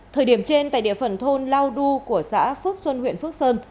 thời điểm trên tại địa phần thôn lao du của xã phước xuân huyện phước sơn